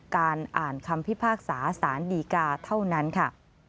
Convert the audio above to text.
การอ่านคำพิพากษาสารดีกาเท่านั้นค่ะ